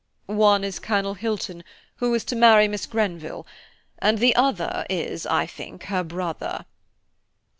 "One is Colonel Hilton, who is to marry Miss Grenville, and the other is, I think, her brother."